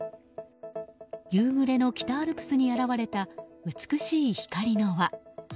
夕暮れの北アルプスに現れた美しい光の輪。